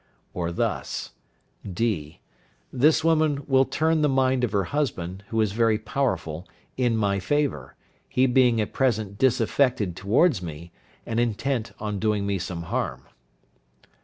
Or thus: (d). This woman will turn the mind of her husband, who is very powerful, in my favour, he being at present disaffected towards me, and intent on doing me some harm.